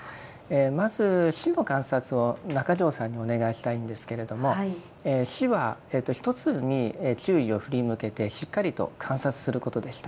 まず「止」の観察を中條さんにお願いしたいんですけれども「止」は一つに注意を振り向けてしっかりと観察することでした。